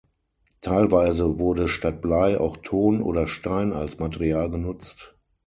Teilweise wurde statt Blei auch Ton oder Stein als Material genutzt.